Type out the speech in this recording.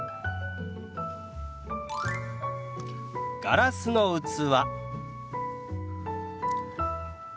「ガラスの器」。